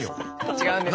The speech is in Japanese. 違うんですよ。